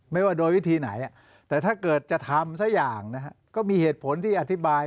ไม่ว่าโดยวิธีไหนแต่ถ้าเกิดจะทำสักอย่างนะฮะก็มีเหตุผลที่อธิบาย